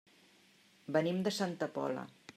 Venim de Santa Pola.